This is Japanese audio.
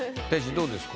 どうですか？